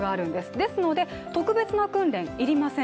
ですので、特別な訓練要りません。